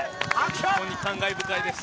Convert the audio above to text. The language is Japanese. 非常に感慨深いです。